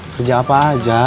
kerja apa aja